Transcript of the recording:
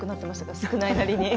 少ないなりに。